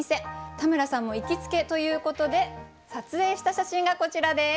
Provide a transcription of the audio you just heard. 田村さんも行きつけということで撮影した写真がこちらです。